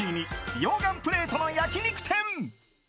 溶岩プレートの焼き肉店。